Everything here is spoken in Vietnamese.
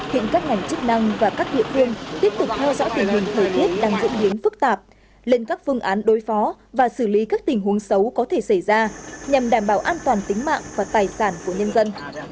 hiện các ngành chức năng và các địa phương tiếp tục theo dõi tình hình thời tiết đang diễn biến phức tạp lên các phương án đối phó và xử lý các tình huống xấu có thể xảy ra nhằm đảm bảo an toàn tính mạng và tài sản của nhân dân